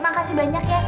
makasih banyak ya